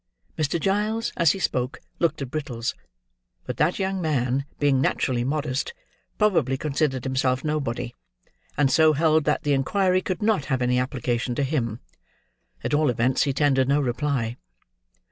Mr. Giles, as he spoke, looked at Brittles; but that young man, being naturally modest, probably considered himself nobody, and so held that the inquiry could not have any application to him; at all events, he tendered no reply.